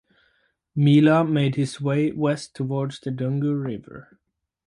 Mila made his way west towards the Dungu River.